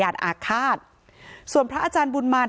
การแก้เคล็ดบางอย่างแค่นั้นเอง